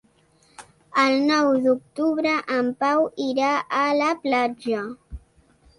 El nou d'octubre en Pau irà a la platja.